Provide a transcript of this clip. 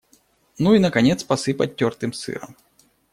Ну и, наконец, посыпать тёртым сыром.